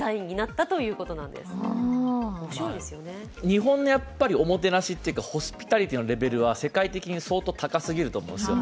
日本のおもてなし、ホスピタリティーのレベルは世界的に相当高すぎると思うんですよ。